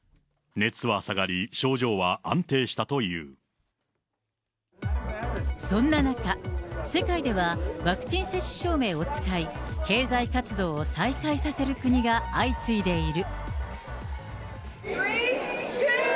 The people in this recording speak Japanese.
熱は下がり、症状は安定したそんな中、世界ではワクチン接種証明を使い、経済活動を再開させる国が相次いでいる。